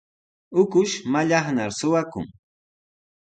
Ukush mallaqnar suqakun.